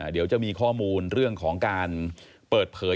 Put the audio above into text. เดี๋ยวจะมีข้อมูลเรื่องของการเปิดเผย